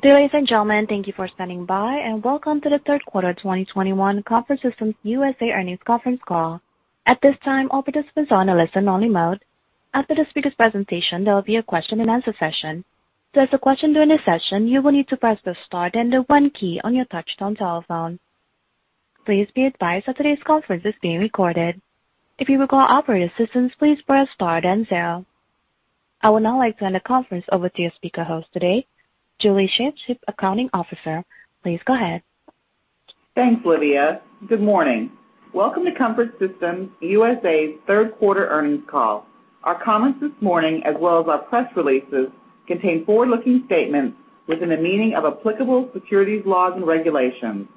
Good day ladies and gentlemen. Thank you for standing by, and welcome to the third quarter 2021 Comfort Systems USA earnings conference call. At this time, all participants are on a listen only mode. After the speaker presentation, there'll be a question-and-answer session. To ask a question during this session, you will need to press the star then the one key on your touchtone telephone. Please be advised that today's conference is being recorded. If you require operator assistance, please press star then zero. I would now like to hand the conference over to your speaker host today, Julie Shaeff, Chief Accounting Officer. Please go ahead. Thanks, Olivia. Good morning. Welcome to Comfort Systems USA's third quarter earnings call. Our comments this morning as well as our press releases contain forward-looking statements within the meaning of applicable securities laws and regulations.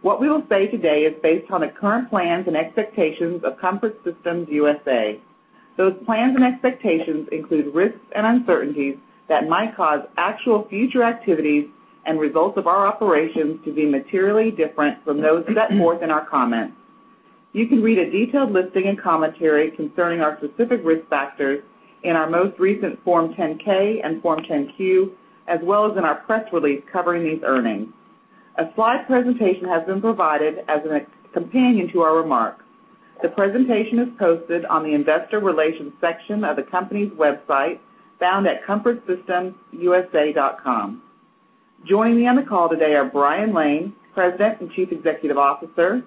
What we will say today is based on the current plans and expectations of Comfort Systems USA. Those plans and expectations include risks and uncertainties that might cause actual future activities and results of our operations to be materially different from those set forth in our comments. You can read a detailed listing and commentary concerning our specific risk factors in our most recent Form 10-K and Form 10-Q, as well as in our press release covering these earnings. A slide presentation has been provided as a companion to our remarks. The presentation is posted on the investor relations section of the company's website, found at comfortsystemsusa.com. Joining me on the call today are Brian Lane, President and Chief Executive Officer,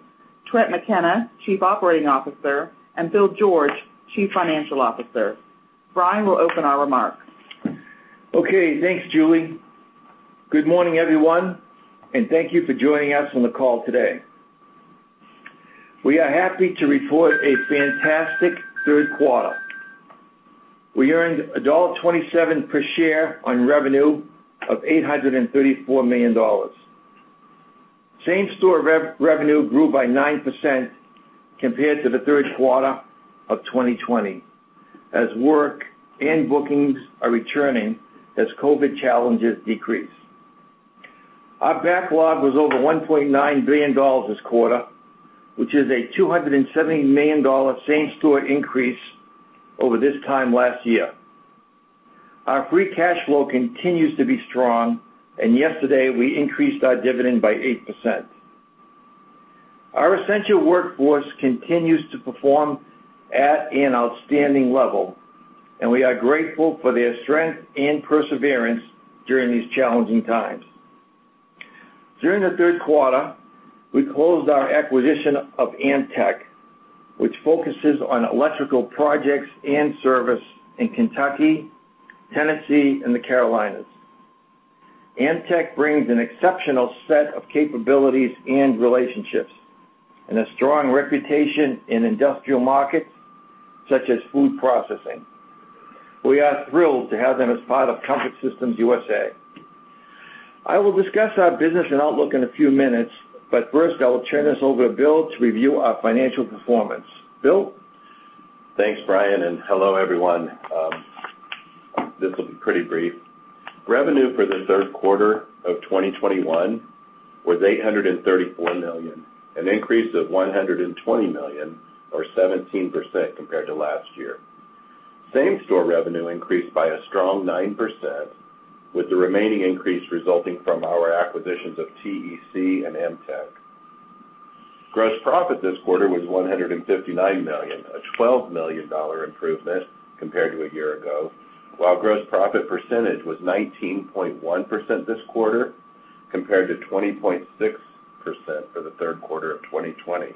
Trent McKenna, Chief Operating Officer, and Bill George, Chief Financial Officer. Brian will open our remarks. Okay. Thanks, Julie. Good morning, everyone, and thank you for joining us on the call today. We are happy to report a fantastic third quarter. We earned $1.27 per share on revenue of $834 million. Same-store revenue grew by 9% compared to the third quarter of 2020 as work and bookings are returning as COVID challenges decrease. Our backlog was over $1.9 billion this quarter, which is a $270 million same-store increase over this time last year. Our free cash flow continues to be strong, and yesterday we increased our dividend by 8%. Our essential workforce continues to perform at an outstanding level, and we are grateful for their strength and perseverance during these challenging times. During the third quarter, we closed our acquisition of Amteck, which focuses on electrical projects and service in Kentucky, Tennessee, and the Carolinas. Amteck brings an exceptional set of capabilities and relationships and a strong reputation in industrial markets such as food processing. We are thrilled to have them as part of Comfort Systems USA. I will discuss our business and outlook in a few minutes, but first, I will turn this over to Bill to review our financial performance. Bill? Thanks, Brian, and hello, everyone. This will be pretty brief. Revenue for the third quarter of 2021 was $834 million, an increase of $120 million or 17% compared to last year. Same-store revenue increased by a strong 9%, with the remaining increase resulting from our acquisitions of TEC and Amteck. Gross profit this quarter was $159 million, a $12 million improvement compared to a year ago, while gross profit percentage was 19.1% this quarter compared to 20.6% for the third quarter of 2020.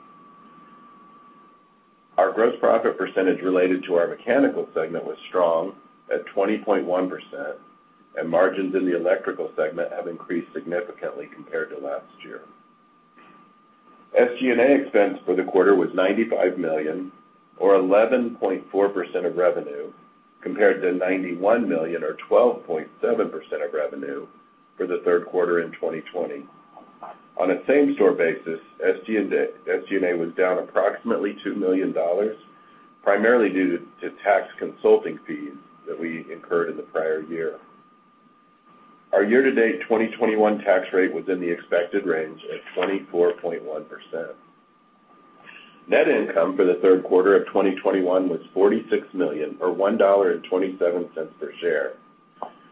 Our gross profit percentage related to our Mechanical segment was strong at 20.1%, and margins in the Electrical segment have increased significantly compared to last year. SG&A expense for the quarter was $95 million or 11.4% of revenue, compared to $91 million or 12.7% of revenue for the third quarter of 2020. On a same-store basis, SG&A was down approximately $2 million, primarily due to tax consulting fees that we incurred in the prior year. Our year-to-date 2021 tax rate was in the expected range at 24.1%. Net income for the third quarter of 2021 was $46 million or $1.27 per share.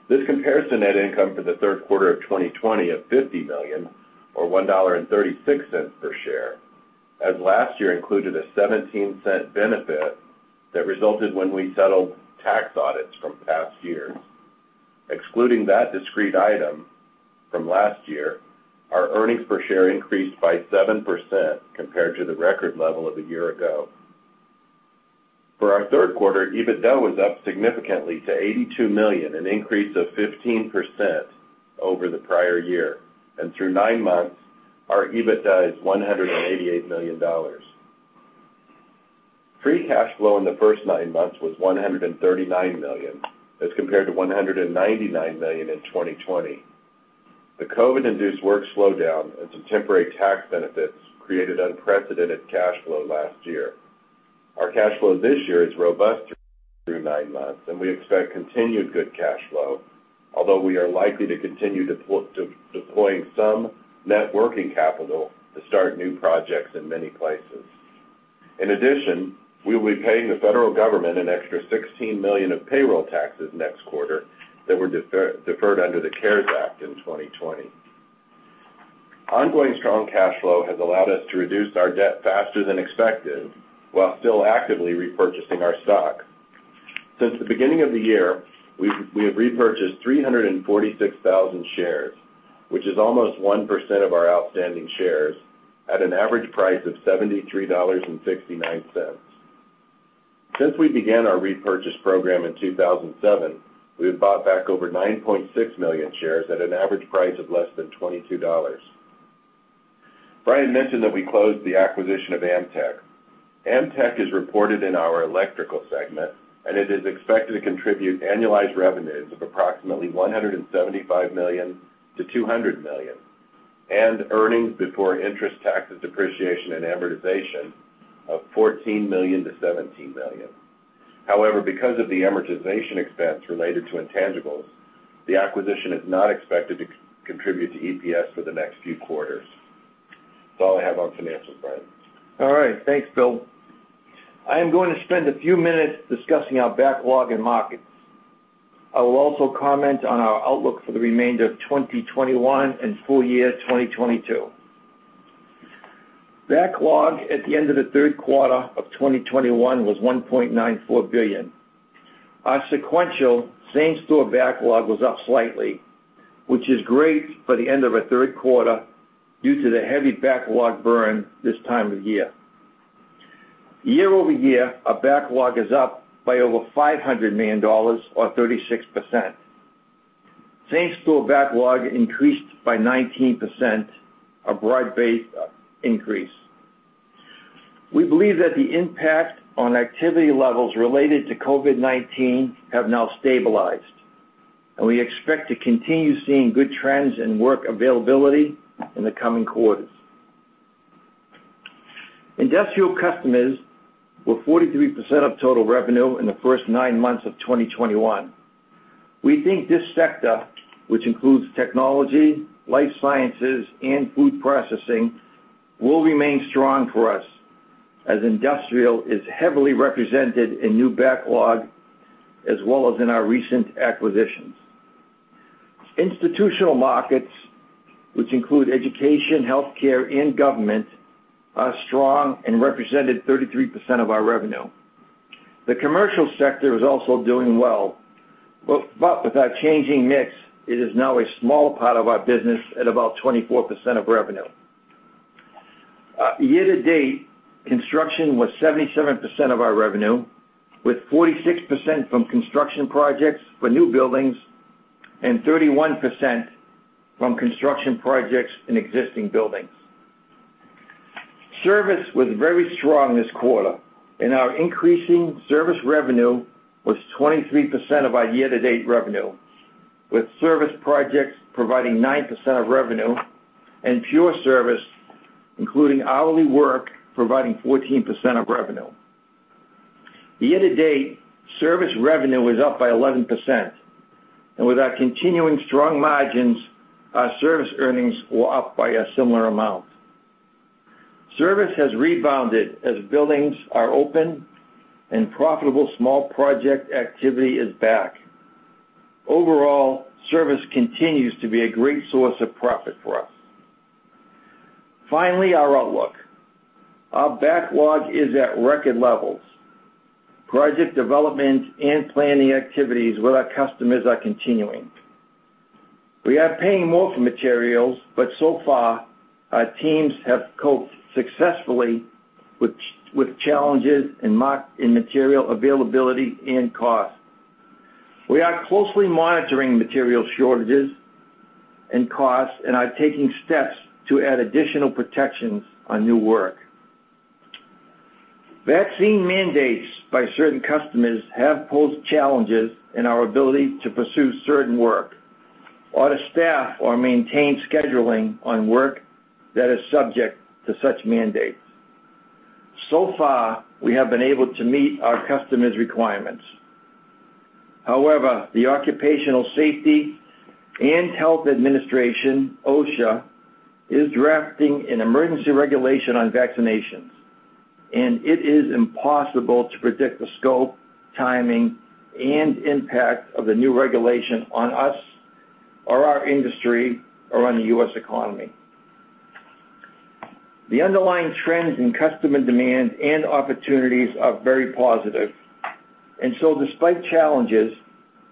This compares to net income for the third quarter of 2020 of $50 million or $1.36 per share, as last year included a 17 cent benefit that resulted when we settled tax audits from past years. Excluding that discrete item from last year, our earnings per share increased by 7% compared to the record level of a year ago. For our third quarter, EBITDA was up significantly to $82 million, an increase of 15% over the prior year. Through nine months, our EBITDA is $188 million. Free cash flow in the first nine months was $139 million as compared to $199 million in 2020. The COVID-induced work slowdown and some temporary tax benefits created unprecedented cash flow last year. Our cash flow this year is robust through nine months, and we expect continued good cash flow, although we are likely to continue to deploying some net working capital to start new projects in many places. In addition, we will be paying the federal government an extra $16 million of payroll taxes next quarter that were deferred under the CARES Act in 2020. Ongoing strong cash flow has allowed us to reduce our debt faster than expected while still actively repurchasing our stock. Since the beginning of the year, we have repurchased 346,000 shares, which is almost 1% of our outstanding shares, at an average price of $73.69. Since we began our repurchase program in 2007, we have bought back over 9.6 million shares at an average price of less than $22. Brian mentioned that we closed the acquisition of Amteck. Amteck is reported in our electrical segment, and it is expected to contribute annualized revenues of approximately $175 million-$200 million and earnings before interest, taxes, depreciation, and amortization of $14 million-$17 million. However, because of the amortization expense related to intangibles, the acquisition is not expected to contribute to EPS for the next few quarters. That's all I have on financials, Brian. All right. Thanks, Bill. I am going to spend a few minutes discussing our backlog and markets. I will also comment on our outlook for the remainder of 2021 and full year 2022. Backlog at the end of the third quarter of 2021 was $1.94 billion. Our sequential same-store backlog was up slightly, which is great for the end of a third quarter due to the heavy backlog burn this time of year. Year over year, our backlog is up by over $500 million or 36%. Same-store backlog increased by 19%, a broad-based increase. We believe that the impact on activity levels related to COVID-19 have now stabilized, and we expect to continue seeing good trends and work availability in the coming quarters. Industrial customers were 43% of total revenue in the first nine months of 2021. We think this sector, which includes technology, life sciences, and food processing, will remain strong for us as industrial is heavily represented in new backlog as well as in our recent acquisitions. Institutional markets, which include education, healthcare, and government, are strong and represented 33% of our revenue. The commercial sector is also doing well. With our changing mix, it is now a small part of our business at about 24% of revenue. Year to date, construction was 77% of our revenue, with 46% from construction projects for new buildings and 31% from construction projects in existing buildings. Service was very strong this quarter, and our increasing service revenue was 23% of our year-to-date revenue, with service projects providing 9% of revenue and pure service, including hourly work, providing 14% of revenue. Year to date, service revenue was up by 11%. With our continuing strong margins, our service earnings were up by a similar amount. Service has rebounded as buildings are open and profitable small project activity is back. Overall, service continues to be a great source of profit for us. Finally, our outlook. Our backlog is at record levels. Project development and planning activities with our customers are continuing. We are paying more for materials, but so far, our teams have coped successfully with challenges in material availability and cost. We are closely monitoring material shortages and costs and are taking steps to add additional protections on new work. Vaccine mandates by certain customers have posed challenges in our ability to pursue certain work or to staff or maintain scheduling on work that is subject to such mandates. So far, we have been able to meet our customers' requirements. However, the Occupational Safety and Health Administration, OSHA, is drafting an emergency regulation on vaccinations, and it is impossible to predict the scope, timing, and impact of the new regulation on us or our industry or on the U.S. economy. The underlying trends in customer demand and opportunities are very positive. Despite challenges,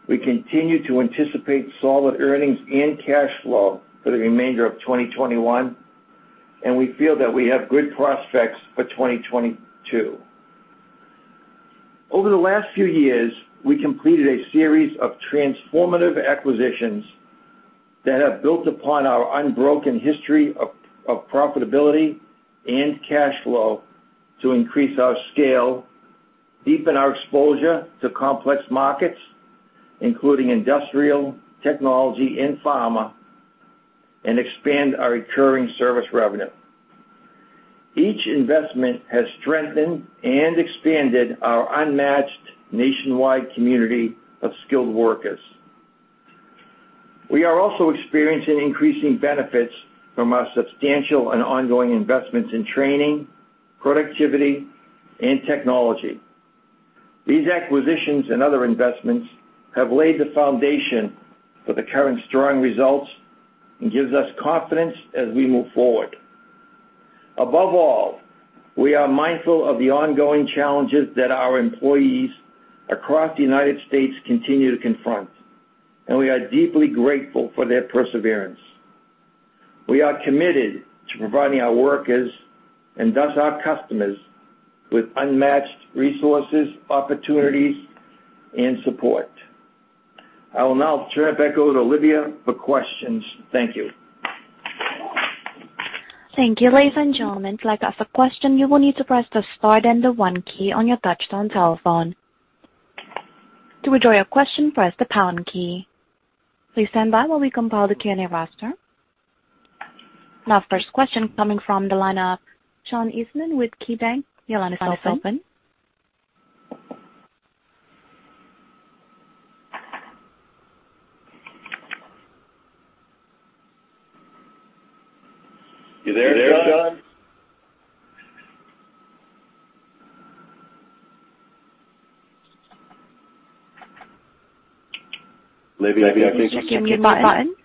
we continue to anticipate solid earnings and cash flow for the remainder of 2021, and we feel that we have good prospects for 2022. Over the last few years, we completed a series of transformative acquisitions that have built upon our unbroken history of profitability and cash flow to increase our scale, deepen our exposure to complex markets, including industrial, technology, and pharma, and expand our recurring service revenue. Each investment has strengthened and expanded our unmatched nationwide community of skilled workers. We are also experiencing increasing benefits from our substantial and ongoing investments in training, productivity, and technology. These acquisitions and other investments have laid the foundation for the current strong results and gives us confidence as we move forward. Above all, we are mindful of the ongoing challenges that our employees across the United States continue to confront, and we are deeply grateful for their perseverance. We are committed to providing our workers, and thus our customers, with unmatched resources, opportunities, and support. I will now turn it back over to Olivia for questions. Thank you. Thank you. Ladies and gentlemen, if you'd like to ask a question, you will need to press the star then the one key on your touchtone telephone. To withdraw your question, press the pound key. Please stand by while we compile the Q&A roster. Now first question coming from the line of Sean Eastman with KeyBanc. Your line is open. You there, Sean? Check your mute button.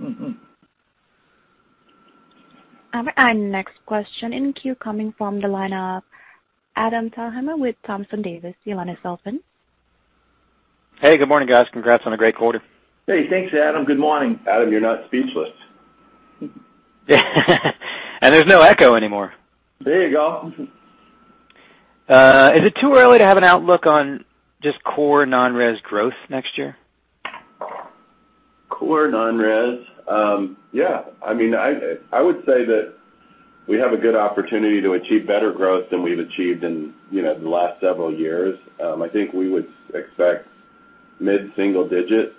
Mm-mm. Our next question in queue coming from the line of Adam Thalhimer with Thompson Davis. Your line is open. Hey, good morning, guys. Congrats on a great quarter. Hey, thanks, Adam. Good morning. Adam, you're not speechless. There's no echo anymore. There you go. Is it too early to have an outlook on just core non-res growth next year? I mean, I would say that we have a good opportunity to achieve better growth than we've achieved in, you know, the last several years. I think we would expect mid-single-digit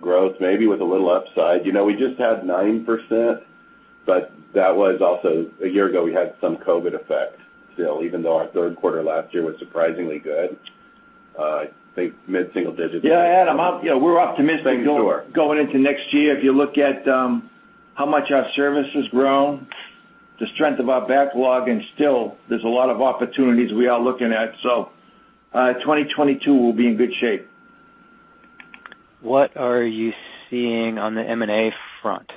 growth, maybe with a little upside. You know, we just had 9%, but that was also a year ago, we had some COVID effect still, even though our third quarter last year was surprisingly good. I think mid-single digits. Yeah, Adam. Yeah, we're optimistic. Thanks to our. Going into next year. If you look at how much our service has grown, the strength of our backlog, and still there's a lot of opportunities we are looking at. 2022 will be in good shape. What are you seeing on the M&A front?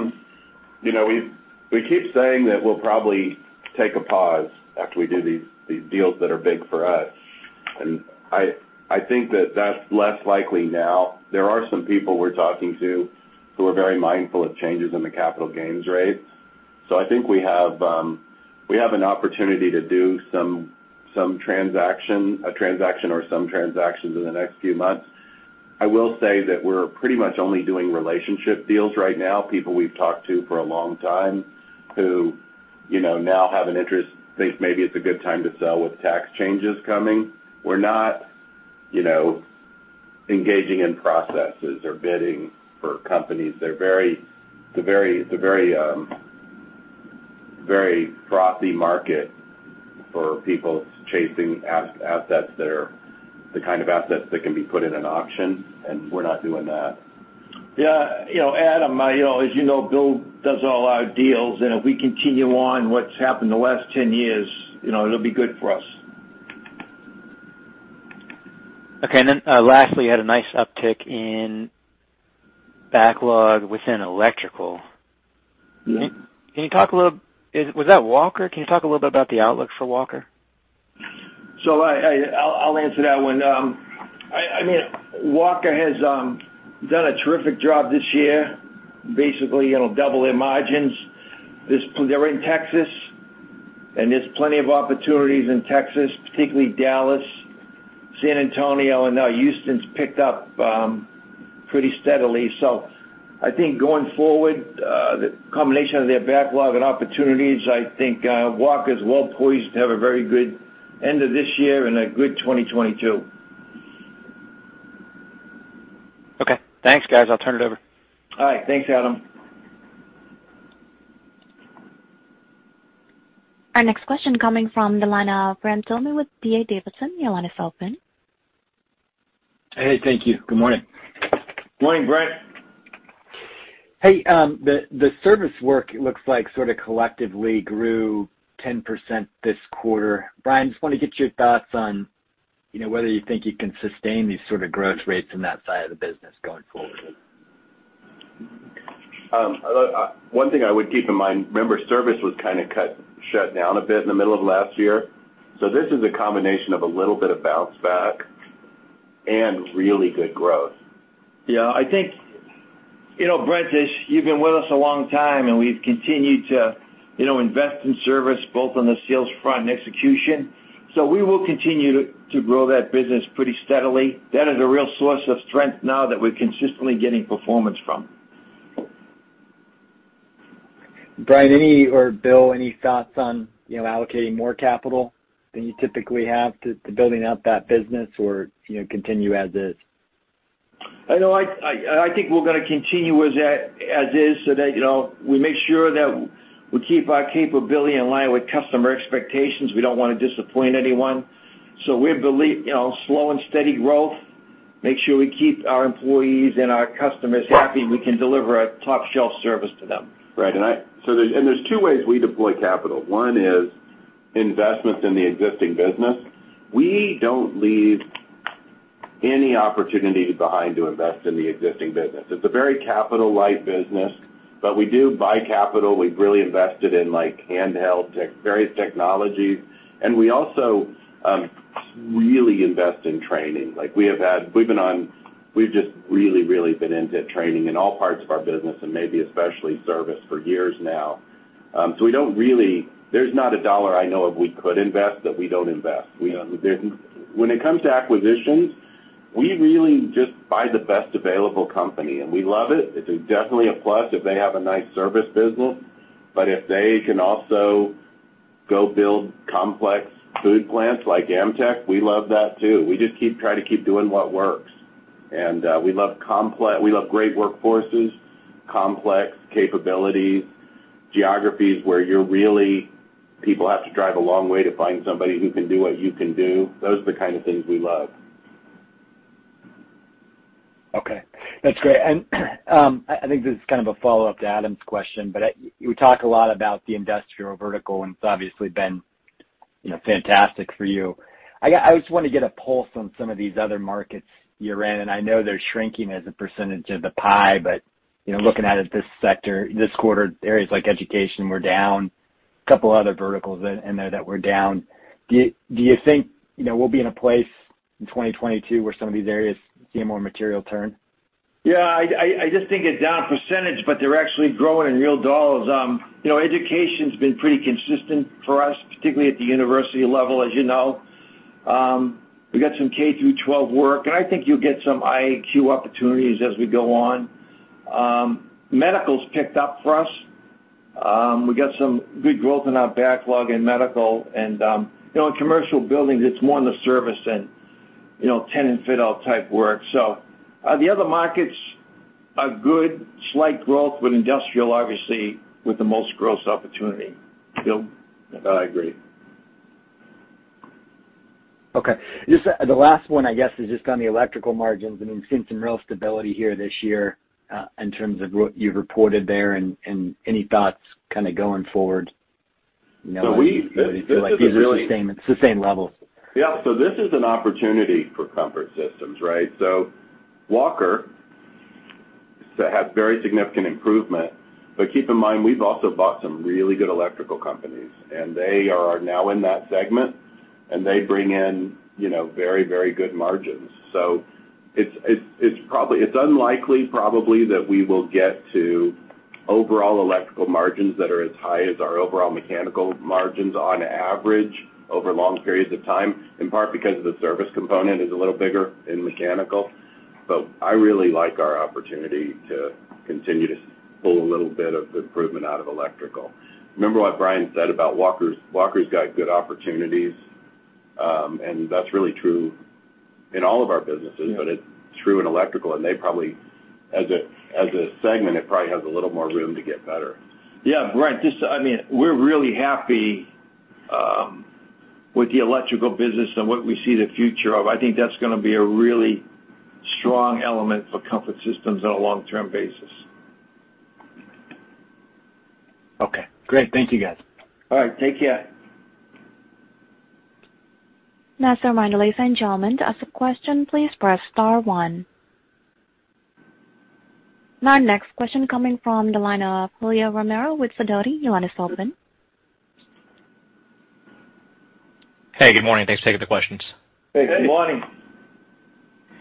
You know, we keep saying that we'll probably take a pause after we do these deals that are big for us. I think that that's less likely now. There are some people we're talking to who are very mindful of changes in the capital gains rate. I think we have an opportunity to do a transaction or some transactions in the next few months. I will say that we're pretty much only doing relationship deals right now, people we've talked to for a long time who, you know, now have an interest, think maybe it's a good time to sell with tax changes coming. We're not, you know, engaging in processes or bidding for companies. It's a very frothy market for people chasing assets that are the kind of assets that can be put in an auction, and we're not doing that. Yeah. You know, Adam, you know, as you know, Bill does all our deals, and if we continue on what's happened the last 10 years, you know, it'll be good for us. Okay. Lastly, you had a nice uptick in backlog within electrical. Yeah. Was that Walker? Can you talk a little bit about the outlook for Walker? I'll answer that one. I mean, Walker has done a terrific job this year, basically. It'll double their margins. They're in Texas, and there's plenty of opportunities in Texas, particularly Dallas, San Antonio, and now Houston's picked up pretty steadily. I think going forward, the combination of their backlog and opportunities, I think, Walker is well poised to have a very good end of this year and a good 2022. Okay. Thanks, guys. I'll turn it over. All right. Thanks, Adam. Our next question coming from the line of Brent Thielman with D.A. Davidson. Your line is open. Hey thank you. Good morning. Morning Brent. Hey, the service work looks like sort of collectively grew 10% this quarter. Brian, just wanna get your thoughts on, you know, whether you think you can sustain these sort of growth rates in that side of the business going forward. One thing I would keep in mind, remember service was kinda shut down a bit in the middle of last year, so this is a combination of a little bit of bounce back and really good growth. Yeah. I think. You know, Brent, this, you've been with us a long time, and we've continued to, you know, invest in service both on the sales front and execution. We will continue to grow that business pretty steadily. That is a real source of strength now that we're consistently getting performance from. Brian, any or Bill, any thoughts on, you know, allocating more capital than you typically have to building out that business or, you know, continue as is? I know I think we're gonna continue as is so that, you know, we make sure that we keep our capability in line with customer expectations. We don't wanna disappoint anyone. We believe, you know, slow and steady growth, make sure we keep our employees and our customers happy, and we can deliver a top-shelf service to them. Right. There's two ways we deploy capital. One is investments in the existing business. We don't leave any opportunity behind to invest in the existing business. It's a very capital-light business, but we do buy capital. We've really invested in, like, handheld tech, various technologies, and we also really invest in training. Like we've just really been into training in all parts of our business and maybe especially service for years now. We don't really. There's not a dollar I know of that we could invest that we don't invest. When it comes to acquisitions, we really just buy the best available company, and we love it. It's definitely a plus if they have a nice service business, but if they can also go build complex food plants like Amteck, we love that too. We just keep trying to keep doing what works. We love great workforces, complex capabilities, geographies where you're really people have to drive a long way to find somebody who can do what you can do. Those are the kind of things we love. Okay. That's great. I think this is kind of a follow-up to Adam's question, but you talk a lot about the industrial vertical, and it's obviously been, you know, fantastic for you. I just wanna get a pulse on some of these other markets you're in, and I know they're shrinking as a percentage of the pie, but, you know, looking at this sector, this quarter, areas like education were down, couple other verticals in there that were down. Do you think, you know, we'll be in a place in 2022 where some of these areas see a more material turn? Yeah. I just think it's down percentage, but they're actually growing in real dollars. You know, education's been pretty consistent for us, particularly at the university level, as you know. We've got some K-12 work, and I think you'll get some IAQ opportunities as we go on. Medical's picked up for us. We got some good growth in our backlog in medical and, you know, in commercial buildings, it's more in the service and, you know, tenant fit out type work. The other markets are good, slight growth with industrial obviously with the most growth opportunity. Bill? I agree. Okay. Just, the last one, I guess, is just on the electrical margins. I mean, we've seen some real stability here this year, in terms of what you've reported there and any thoughts kinda going forward, you know, if you feel like these are the same, it's the same levels. Yeah. This is an opportunity for Comfort Systems, right? Walker has very significant improvement, but keep in mind, we've also bought some really good electrical companies, and they are now in that segment, and they bring in, you know, very, very good margins. It's probably unlikely that we will get to overall electrical margins that are as high as our overall mechanical margins on average over long periods of time, in part because of the service component is a little bigger in mechanical. I really like our opportunity to continue to pull a little bit of improvement out of electrical. Remember what Brian said about Walker's. Walker's got good opportunities, and that's really true in all of our businesses. Yeah. It's true in electrical, and they probably, as a segment, it probably has a little more room to get better. Yeah. Right. Just, I mean, we're really happy with the electrical business and what we see the future of. I think that's gonna be a really strong element for Comfort Systems on a long-term basis. Okay. Great. Thank you, guys. All right. Take care. Now as a reminder, ladies and gentlemen, to ask a question, please press star one. Our next question coming from the line of Julio Romero with Sidoti. Your line is open. Hey, good morning. Thanks for taking the questions. Hey, good morning. Hey.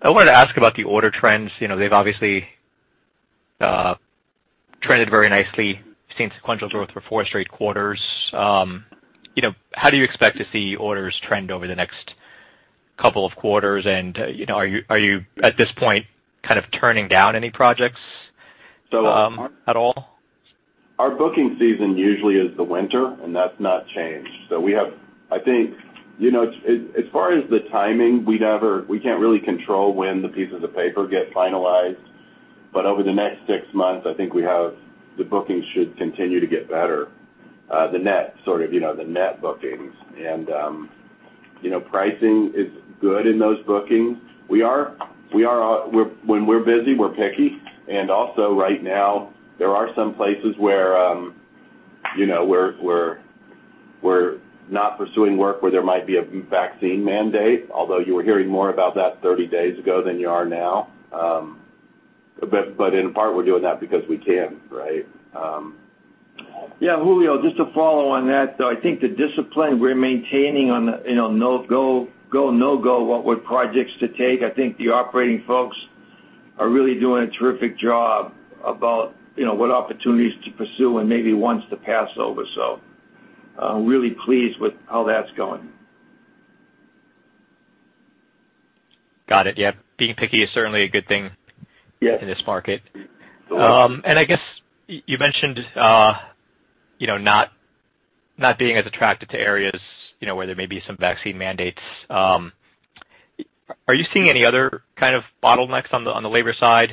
I wanted to ask about the order trends. You know, they've obviously trended very nicely, seen sequential growth for four straight quarters. You know, how do you expect to see orders trend over the next couple of quarters? You know, are you at this point kind of turning down any projects at all? Our booking season usually is the winter, and that's not changed. We have I think, you know, as far as the timing, we can't really control when the pieces of paper get finalized. Over the next six months, I think we have the bookings should continue to get better, the net sort of, you know, the net bookings. Pricing is good in those bookings. When we're busy, we're picky. Also right now, there are some places where, you know, we're not pursuing work where there might be a vaccine mandate, although you were hearing more about that thirty days ago than you are now. But in part, we're doing that because we can, right? Yeah. Julio, just to follow on that, though, I think the discipline we're maintaining on, you know, no-go, what projects to take, I think the operating folks are really doing a terrific job about, you know, what opportunities to pursue and maybe ones to pass over. Really pleased with how that's going. Got it. Yeah. Being picky is certainly a good thing. Yes in this market. I guess you mentioned you know not being as attracted to areas you know where there may be some vaccine mandates. Are you seeing any other kind of bottlenecks on the labor side,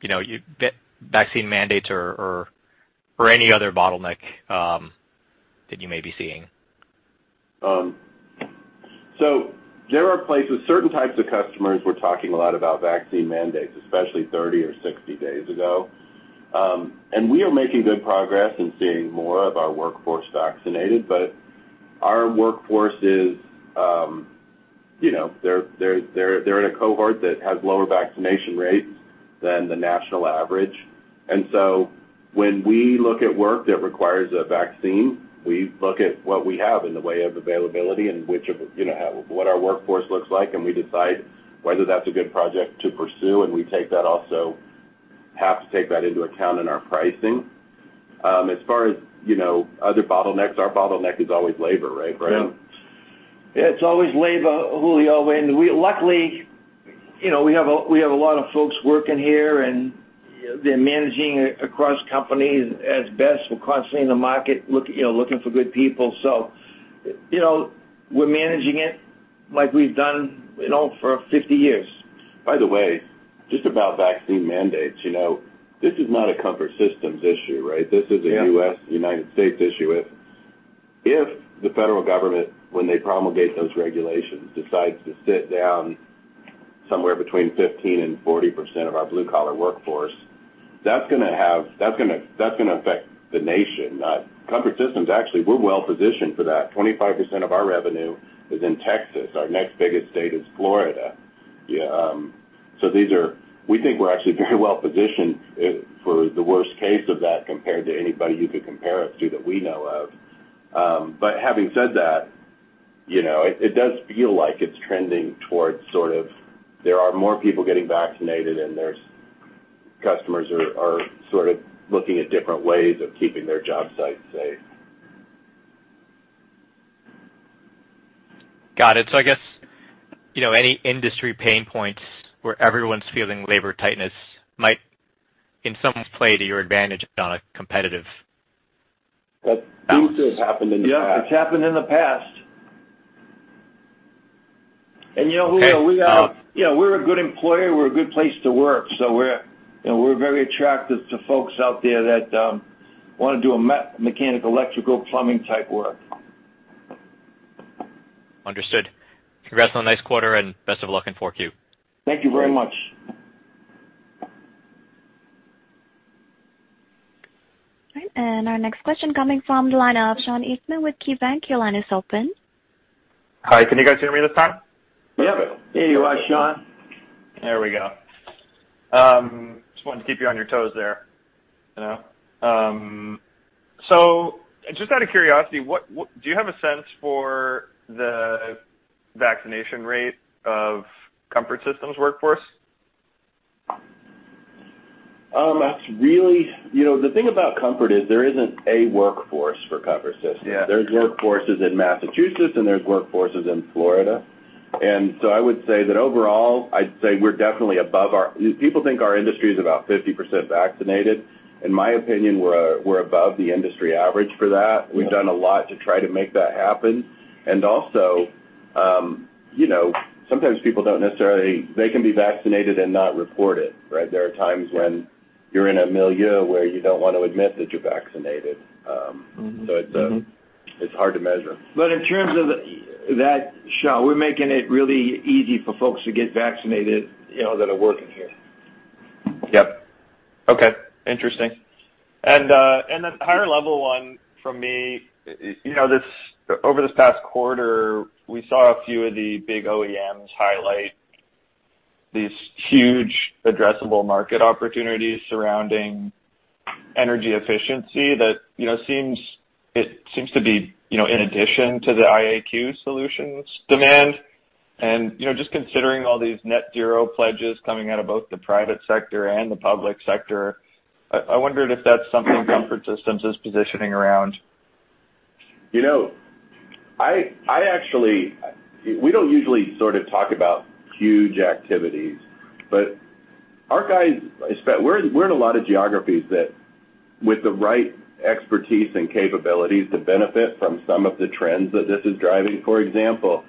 you know, vaccine mandates or any other bottleneck that you may be seeing? There are places, certain types of customers we're talking a lot about vaccine mandates, especially 30 or 60 days ago. We are making good progress in seeing more of our workforce vaccinated. Our workforce is, you know, they're in a cohort that has lower vaccination rates than the national average. When we look at work that requires a vaccine, we look at what we have in the way of availability and which of you know, what our workforce looks like, and we decide whether that's a good project to pursue, and we also have to take that into account in our pricing. As far as, you know, other bottlenecks, our bottleneck is always labor, right, Brian? Yeah. It's always labor, Julio. We luckily, you know, we have a lot of folks working here, and they're managing across companies as best. We're constantly in the market, you know, looking for good people. You know, we're managing it like we've done, you know, for 50 years. By the way, just about vaccine mandates, you know, this is not a Comfort Systems issue, right? Yeah. This is a U.S., United States issue. If the federal government, when they promulgate those regulations, decides to sit down somewhere between 15%-40% of our blue-collar workforce, that's gonna affect the nation. Comfort Systems, actually, we're well positioned for that. 25% of our revenue is in Texas. Our next biggest state is Florida. We think we're actually very well positioned for the worst case of that compared to anybody you could compare us to that we know of. But having said that, you know, it does feel like it's trending towards sort of there are more people getting vaccinated and there's customers are sort of looking at different ways of keeping their job sites safe. Got it. I guess, you know, any industry pain points where everyone's feeling labor tightness might in some ways play to your advantage on a competitive balance. That seems to have happened in the past. Yeah, it's happened in the past. Okay. You know, Julio, you know, we're a good employer. We're a good place to work. We're, you know, we're very attractive to folks out there that wanna do mechanical, electrical, plumbing type work. Understood. Congrats on a nice quarter and best of luck in 4Q. Thank you very much. All right. Our next question coming from the line of Sean Eastman with KeyBanc. Your line is open. Hi. Can you guys hear me this time? Yep. Here you are, Sean. There we go. Just wanted to keep you on your toes there, you know. Just out of curiosity, what do you have a sense for the vaccination rate of Comfort Systems workforce? That's really, you know, the thing about Comfort is there isn't a workforce for Comfort Systems. Yeah. There's workforces in Massachusetts, and there's workforces in Florida. I would say that overall, people think our industry is about 50% vaccinated. In my opinion, we're above the industry average for that. Yeah. We've done a lot to try to make that happen. Also, you know, sometimes people don't necessarily, they can be vaccinated and not report it, right? There are times when you're in a milieu where you don't want to admit that you're vaccinated. It's hard to measure. In terms of that, Sean, we're making it really easy for folks to get vaccinated, you know, that are working here. Yep. Okay. Interesting. The higher level one for me, you know, this over this past quarter, we saw a few of the big OEMs highlight these huge addressable market opportunities surrounding energy efficiency that, you know, it seems to be, you know, in addition to the IAQ solutions demand. Just considering all these net zero pledges coming out of both the private sector and the public sector, I wondered if that's something Comfort Systems is positioning around. You know, I actually, we don't usually sort of talk about huge activities, but our guys, we're in a lot of geographies that, with the right expertise and capabilities, to benefit from some of the trends that this is driving. For example,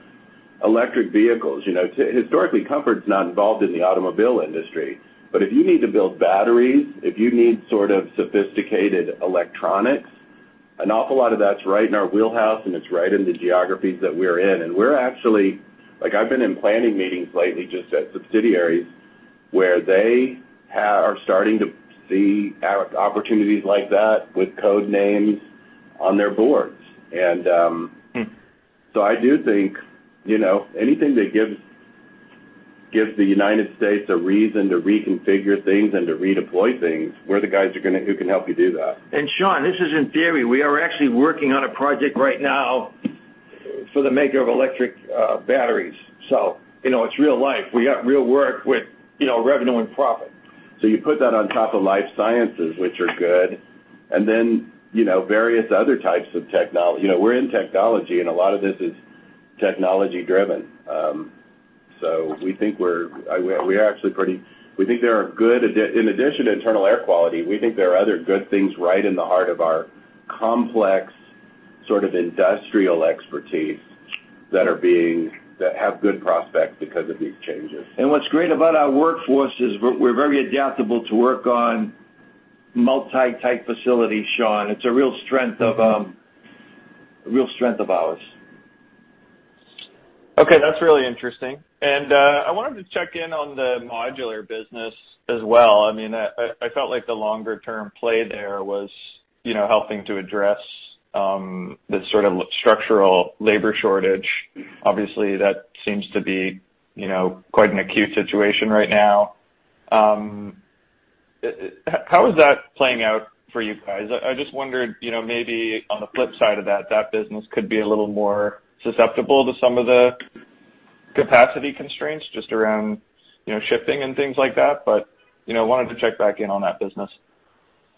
electric vehicles. You know, historically, Comfort's not involved in the automobile industry. If you need to build batteries, if you need sort of sophisticated electronics, an awful lot of that's right in our wheelhouse, and it's right in the geographies that we're in. We're actually, like, I've been in planning meetings lately just at subsidiaries where they are starting to see opportunities like that with code names on their boards. Hmm. I do think, you know, anything that gives the United States a reason to reconfigure things and to redeploy things, we're the guys who can help you do that. Sean, this isn't theory. We are actually working on a project right now for the maker of electric batteries. You know, it's real life. We got real work with, you know, revenue and profit. You put that on top of life sciences, which are good, and then, you know, various other types of technology, you know, we're in technology, and a lot of this is technology driven. In addition to internal air quality, we think there are other good things right in the heart of our complex, sort of industrial expertise that have good prospects because of these changes. What's great about our workforce is we're very adaptable to work on multi-type facilities, Sean. It's a real strength of ours. Okay, that's really interesting. I wanted to check in on the modular business as well. I mean, I felt like the longer term play there was, you know, helping to address the sort of structural labor shortage. Obviously, that seems to be, you know, quite an acute situation right now. How is that playing out for you guys? I just wondered, you know, maybe on the flip side of that business could be a little more susceptible to some of the capacity constraints just around, you know, shipping and things like that. You know, I wanted to check back in on that business.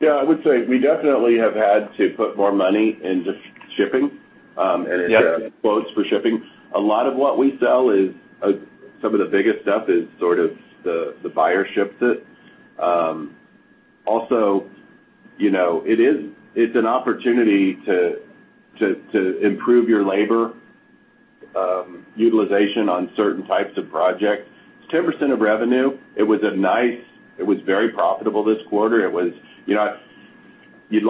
Yeah, I would say we definitely have had to put more money into shipping. Yeah. It quotes for shipping. A lot of what we sell is, some of the biggest stuff is sort of the buyer ships it. Also, you know, it's an opportunity to improve your labor utilization on certain types of projects. It's 10% of revenue. It was a nice. It was very profitable this quarter. It was, you know,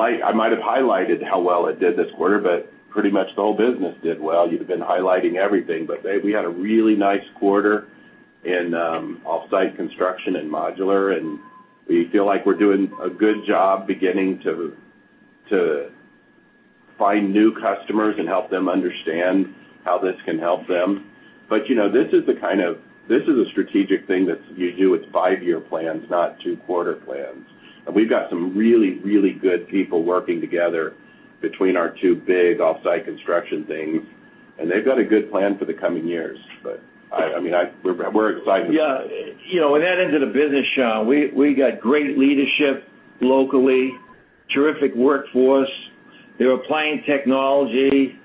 I might have highlighted how well it did this quarter, but pretty much the whole business did well. You've been highlighting everything. We had a really nice quarter in offsite construction and modular, and we feel like we're doing a good job beginning to find new customers and help them understand how this can help them. You know, this is a strategic thing that you do with five-year plans, not two-quarter plans. We've got some really, really good people working together between our two big off-site construction things, and they've got a good plan for the coming years. We're excited. Yeah. You know, that into the business, Sean, we got great leadership locally, terrific workforce. They're applying technology,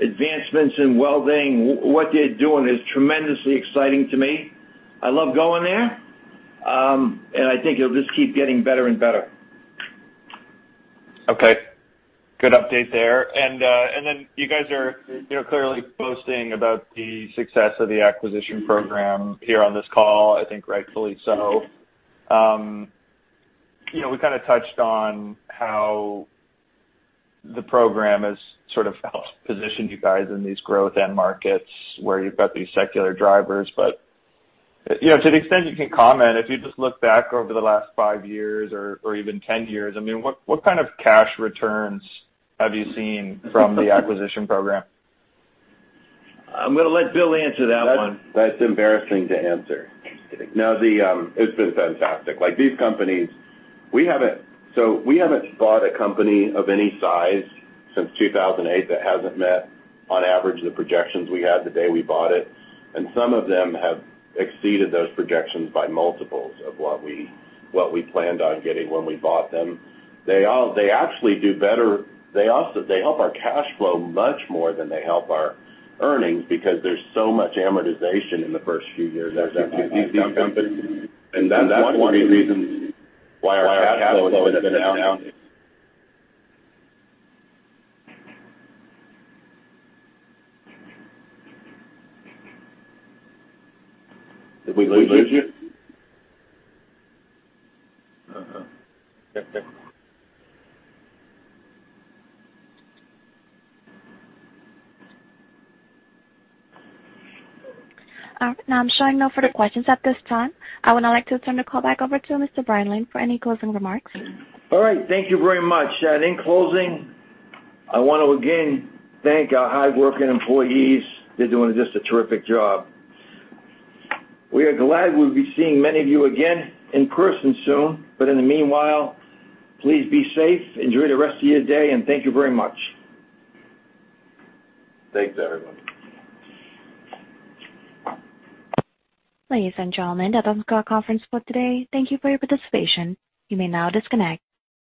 advancements in welding. What they're doing is tremendously exciting to me. I love going there, and I think it'll just keep getting better and better. Okay, good update there. Then you guys are, you know, clearly boasting about the success of the acquisition program here on this call, I think rightfully so. You know, we kinda touched on how the program has sort of helped position you guys in these growth end markets where you've got these secular drivers. To the extent you can comment, if you just look back over the last 5 years or even 10 years, I mean, what kind of cash returns have you seen from the acquisition program? I'm gonna let Bill answer that one. That's embarrassing to answer. Interesting. No, it's been fantastic. Like, these companies, so we haven't bought a company of any size since 2008 that hasn't met on average the projections we had the day we bought it. Some of them have exceeded those projections by multiples of what we planned on getting when we bought them. They actually do better. They help our cash flow much more than they help our earnings because there's so much amortization in the first few years. That's one of the reasons why our cash flow has been down. Did we lose you? Uh-uh. All right, now I'm showing no further questions at this time. I would now like to turn the call back over to Brian Lane for any closing remarks. All right, thank you very much. In closing, I want to again thank our hard-working employees. They're doing just a terrific job. We are glad we'll be seeing many of you again in person soon, but in the meanwhile, please be safe. Enjoy the rest of your day, and thank you very much. Thanks, everyone. Ladies and gentlemen, that ends our conference call today. Thank you for your participation. You may now disconnect.